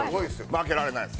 負けられないです。